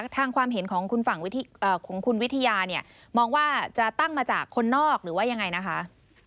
ทางความเห็นของคุณวิทยามองว่าจะตั้งมาจากคนนอกหรือว่ายังไงนะคะ